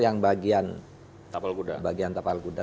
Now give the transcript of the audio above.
yang bagian tapal kuda